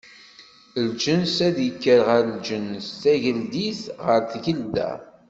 Lǧens ad d-ikker ɣer lǧens, tageldit ɣer tgelda.